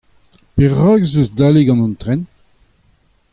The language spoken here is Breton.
Perak ez eus dale gant an tren ?